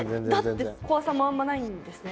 だって怖さもあんまないんですね？